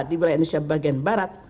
di wilayah indonesia bagian barat